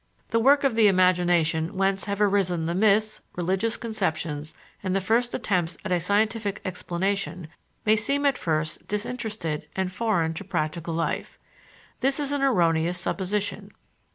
The work of the imagination whence have arisen the myths, religious conceptions, and the first attempts at a scientific explanation may seem at first disinterested and foreign to practical life. This is an erroneous supposition.